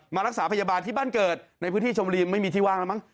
รักษาพยาบาลที่บ้านเกิดในพื้นที่ชมบุรีไม่มีที่ว่างแล้วมั้ง